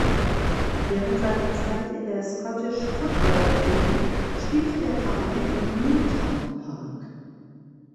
Während seiner Zeit in der Scottish Football League spielte der Verein im Newtown Park.